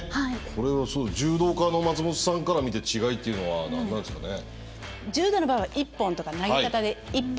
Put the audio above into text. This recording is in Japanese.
これは柔道家の松本さんから見て違いっていうのは何なんですかね？